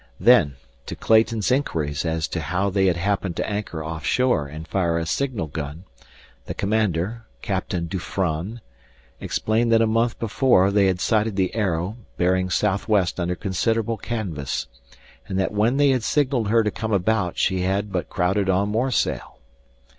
Then, to Clayton's inquiries as to how they had happened to anchor off shore and fire a signal gun, the commander, Captain Dufranne, explained that a month before they had sighted the Arrow bearing southwest under considerable canvas, and that when they had signaled her to come about she had but crowded on more sail.